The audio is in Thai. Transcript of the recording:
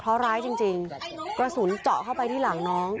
เพราะร้ายจริงกระสุนเจาะเข้าไปที่หลังน้อง